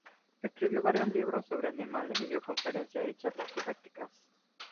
Escribió varios libros sobre animales y dio conferencias y charlas didácticas.